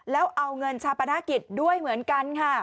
แล้วเอาเงินชาปนกิจด้วยเหมือนกันค่ะ